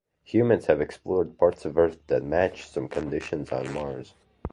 Humans have explored parts of Earth that match some conditions on Mars.